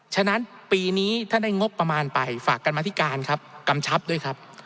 ฉะนั้นปีนี้ถ้าได้งบประมาณไปฝากกันมาธิการครับกำชับด้วยครับ